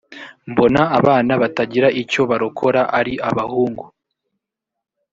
mbona abana batagira icyo barokora ari abahungu